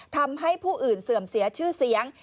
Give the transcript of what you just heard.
ทำให้ผู้อื่นเสื่อมเสียชื่อเสียง